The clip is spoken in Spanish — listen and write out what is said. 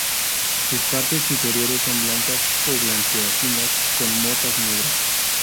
Sus partes inferiores son blancas o blanquecinas con motas negras.